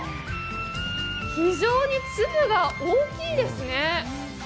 非常に粒が大きいですね。